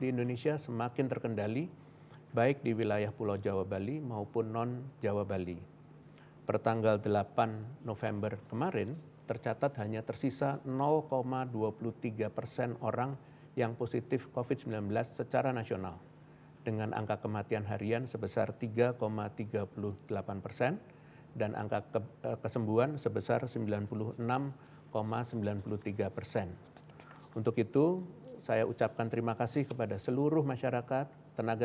ialah menerapkan screening